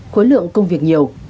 khối lượng công việc nhiều